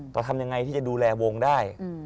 เราทำยังไงที่จะดูแลวงได้